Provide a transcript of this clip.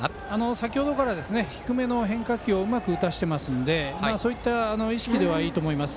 先程から低めの変化球をうまく打たせているのでそういった意識ではいいと思います。